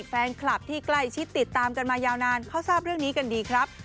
แฟนคลับที่ใกล้ชิดติดตามกันมายาวนานเขาทราบเรื่องนี้กันดีครับ